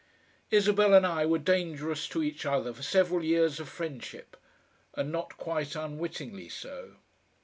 Isabel and I were dangerous to each other for several years of friendship, and not quite unwittingly so.